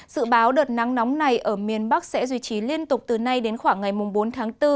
dự báo đợt nắng nóng này ở miền bắc sẽ duy trì liên tục từ nay đến khoảng ngày bốn tháng bốn